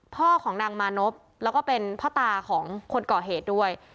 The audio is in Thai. พ่อของนางมานพแล้วก็เป็นพ่อตาของคนก่อเหตุด้วย